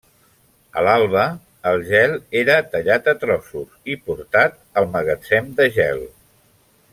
A l'alba, el gel era tallat a trossos i portat al magatzem de gel.